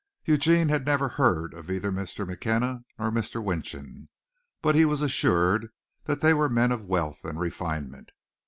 Eugene had never heard of either Mr. McKenna or Mr. Winchon, but he was assured that they were men of wealth and refinement.